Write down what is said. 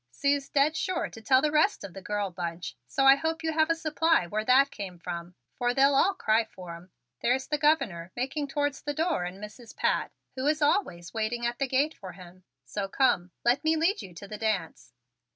Sue's dead sure to tell the rest of the girl bunch, so I hope you have a supply where that came from, for they'll all cry for 'em. There's the Governor making towards the door and Mrs. Pat, who is always waiting at the gate for him, so come, let me lead you to the dance."